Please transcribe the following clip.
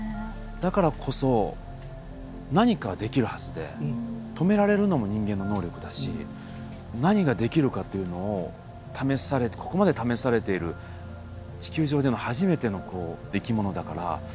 だからこそ何かできるはずで止められるのも人間の能力だし何ができるかというのをここまで試されている地球上での初めての生き物だから。